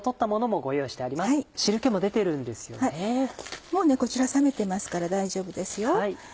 もうこちら冷めてますから大丈夫ですよ。